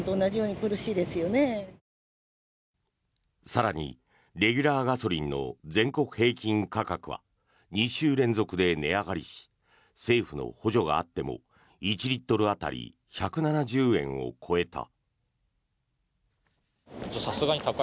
更に、レギュラーガソリンの全国平均価格は２週連続で値上がりし政府の補助があっても１リットル当たり１７０円を超えた。